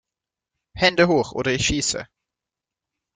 Hände Hoch oder ich Schieße!